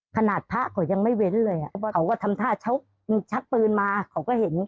ภาทภาคก็ยังไม่เว้นเลยพวกเขาก็ทำท่าชักปืนมาเขาก็เห็น